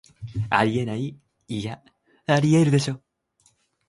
あり得ない、アリエールでしょ